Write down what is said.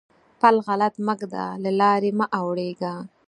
پل غلط مه ږده؛ له لارې مه اوړېږه.